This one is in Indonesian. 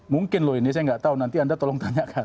mungkin loh ini saya nggak tahu nanti anda tolong tanyakan